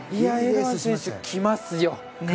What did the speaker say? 水沼選手、きますよ。